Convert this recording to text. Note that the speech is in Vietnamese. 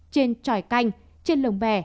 trên tròi canh trên lồng bè